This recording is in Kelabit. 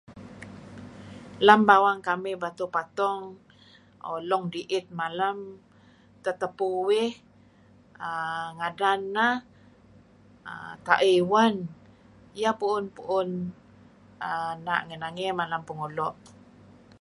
Lem bawang kamih Batu Patong Long Diit malem tetepuh uih uhm ngadan neh uhm Taih Wan. Iyeh puun-puun uhm ngi nangey ngilad Pengulo'.